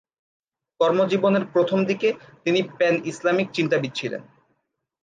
কর্মজীবনের প্রথমদিকে তিনি প্যান ইসলামি চিন্তাবিদ ছিলেন।